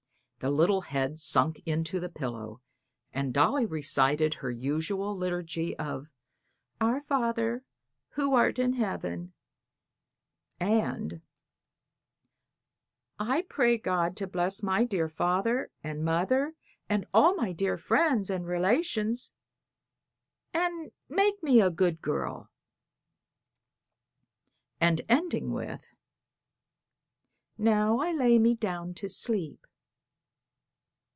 The little head sunk into the pillow, and Dolly recited her usual liturgy of "Our Father who art in heaven," and "I pray God to bless my dear father and mother and all my dear friends and relations, and make me a good girl," and ending with "'Now I lay me down to sleep.'"